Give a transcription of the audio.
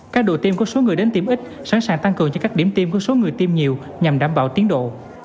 các đội tiêm có số người đến tiêm ít sẵn sàng tăng cường cho các điểm tiêm có số người tiêm nhiều nhằm đảm bảo tiến độ